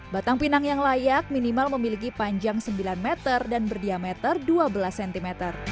batang pinang yang layak minimal memiliki panjang sembilan meter dan berdiameter dua belas cm